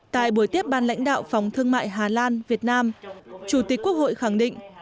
tại buổi tiếp ban lãnh đạo phòng thương mại hà lan việt nam chủ tịch quốc hội khẳng định